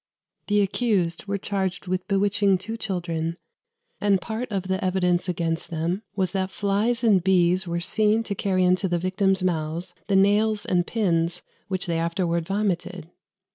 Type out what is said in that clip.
The accused were charged with bewitching two children; and part of the evidence against them was that flies and bees were seen to carry into the victims' mouths the nails and pins which they afterwards vomited.